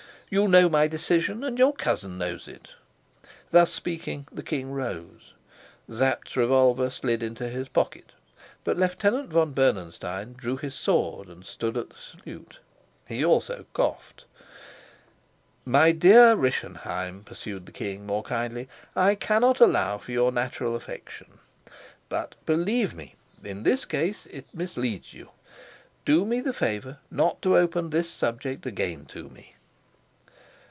"You knew my decision, and your cousin knows it." Thus speaking, the king rose; Sapt's revolver slid into his pocket; but Lieutenant von Bernenstein drew his sword and stood at the salute; he also coughed. "My dear Rischenheim," pursued the king more kindly, "I can allow for your natural affection. But, believe me, in this case it misleads you. Do me the favor not to open this subject again to me."